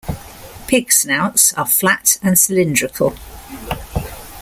Pig snouts are flat and cylindrical.